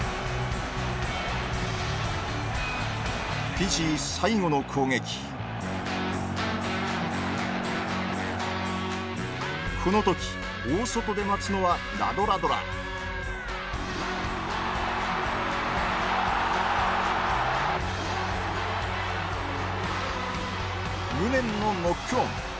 フィジー最後の攻撃このとき大外で待つのはラドラドラ無念のノックオン。